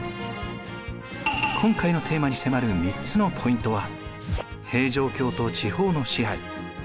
今回のテーマに迫る３つのポイントは。